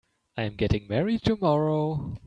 I'm getting married tomorrow.